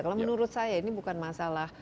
kalau menurut saya ini bukan masalah